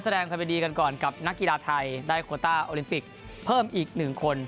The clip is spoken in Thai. แสดงความยินดีกันก่อนกับนักกีฬาไทยได้โคต้าโอลิมปิกเพิ่มอีก๑คน